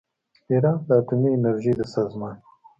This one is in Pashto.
ایران د اتومي انرژۍ د سازمان